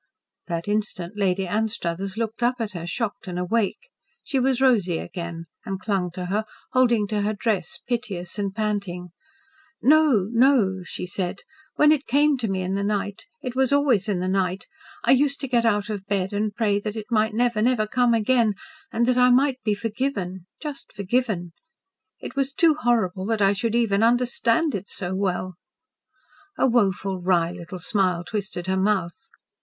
That instant Lady Anstruthers looked up at her shocked and awake. She was Rosy again, and clung to her, holding to her dress, piteous and panting. "No! no!" she said. "When it came to me in the night it was always in the night I used to get out of bed and pray that it might never, never come again, and that I might be forgiven just forgiven. It was too horrible that I should even UNDERSTAND it so well." A woeful, wry little smile twisted her mouth.